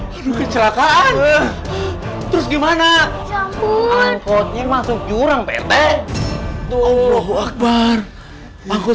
hai hai hai kecelakaan terus gimana jambu angkotnya masuk jurang pt doh akbar angkot